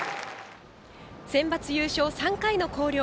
センバツ優勝３回の広陵。